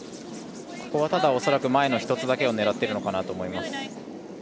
ここは恐らく前の１つだけを狙ってると思います。